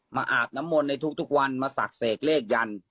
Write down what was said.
อาบน้ำมนต์ในทุกวันมาศักดิ์เสกเลขยัน